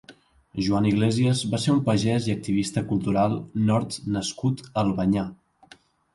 Joan Iglesias va ser un pagès i activista cultural nord- nascut a Albanyà.